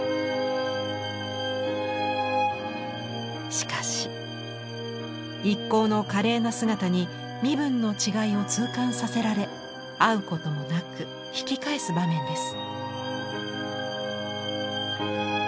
しかし一行の華麗な姿に身分の違いを痛感させられ会うこともなく引き返す場面です。